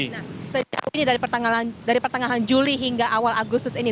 nah sejauh ini dari pertengahan juli hingga awal agustus ini